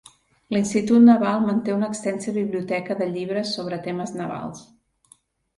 L'Institut Naval manté una extensa biblioteca de llibres sobre temes navals.